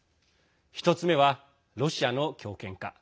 １つ目は、ロシアの強権化。